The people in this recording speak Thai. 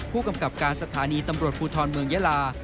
ผู้กำกับการสถานีตำรวจภูทรเมืองยาลา